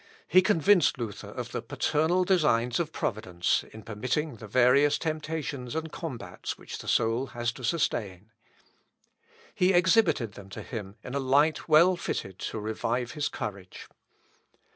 He convinced Luther of the paternal designs of Providence, in permitting the various temptations and combats which the soul has to sustain. He exhibited them to him in a light well fitted to revive his courage.